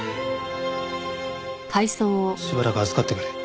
しばらく預かってくれ。